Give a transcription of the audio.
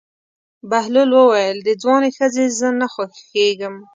بهلول وویل: د ځوانې ښځې زه نه خوښېږم.